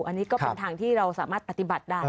อันนี้ก็เป็นทางที่เราสามารถปฏิบัติได้